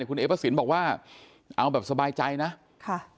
คุณเอพระสินบอกว่าเอาแบบสบายใจนะค่ะ